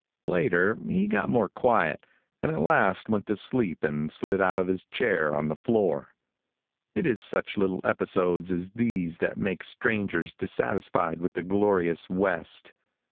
Later, he got more quiet, and at last went to sleep and slid out of his chair on the floor. It is such little episodes as these that make strangers dissatisfied with the glorious west.